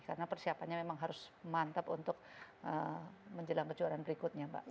karena persiapannya memang harus mantap untuk menjelang kejuaraan berikutnya mbak